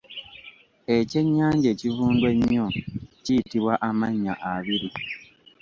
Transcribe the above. Ekyennyanja ekivundu ennyo kiyitibwa amannya abiri.